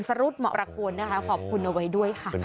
รุดเหมาะควรนะคะขอบคุณเอาไว้ด้วยค่ะ